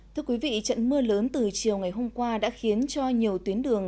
thưa quý vị trận mưa lớn từ chiều ngày hôm qua đã khiến cho nhiều tuyến đường